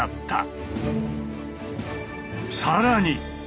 更に！